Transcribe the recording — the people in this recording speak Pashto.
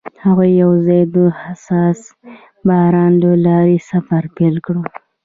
هغوی یوځای د حساس باران له لارې سفر پیل کړ.